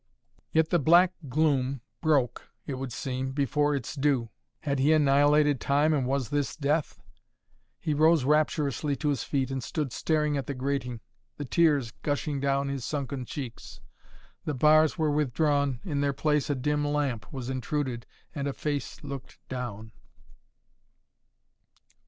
Yet the black gloom broke, it would seem, before its due. Had he annihilated time and was this death? He rose rapturously to his feet and stood staring at the grating, the tears gushing down his sunken cheeks. The bars were withdrawn, in their place a dim lamp was intruded and a face looked down.